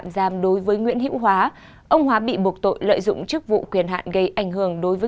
giam đối với nguyễn hữu hóa ông hóa bị buộc tội lợi dụng chức vụ quyền hạn gây ảnh hưởng đối với